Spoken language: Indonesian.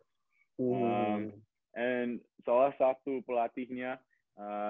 dan salah satu pelatihnya dia